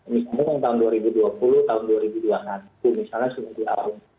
misalnya tahun dua ribu dua puluh tahun dua ribu dua puluh dua misalnya sebulan ke dua